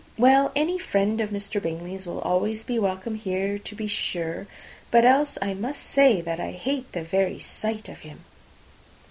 Well, any friend of Mr. Bingley's will always be welcome here, to be sure; but else I must say that I hate the very sight of him."